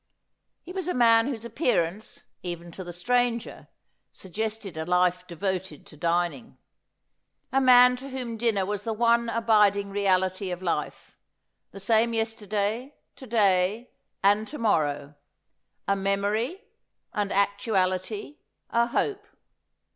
He was a man whose appearance, even to the stranger, suggested a life devoted to dining ; a man to whom dinner Avas the one abiding reality of life, the same yesterday, to day, and to morrow — a memory, an actuality, a hope.